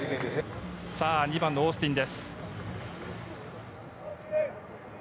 ２番のオースティンです。